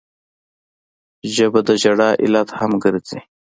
ژبه د ژړا علت هم ګرځي